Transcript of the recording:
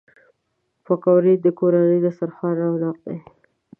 پکورې د کورني دسترخوان رونق دي